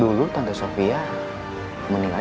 dulu tante sofia meninggal